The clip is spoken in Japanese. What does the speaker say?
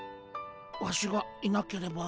ワシがいなければ。